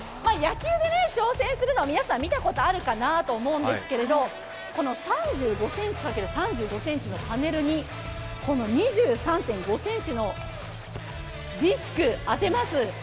野球で挑戦するのは皆さん見たことあるかなと思うんですけどこの３５ｃｍ×３５ｃｍのパネルにこの２３．５ｃｍのディスクを当てます。